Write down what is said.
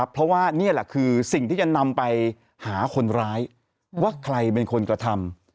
เพราะว่านี่แหละคือสิ่งที่จะนำไปหาคนร้ายว่าใครเป็นคนกระทำ